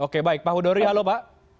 oke baik pak hudori halo pak